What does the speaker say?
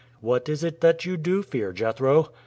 "What is it that you do fear, Jethro?"